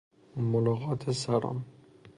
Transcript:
ملاقات سران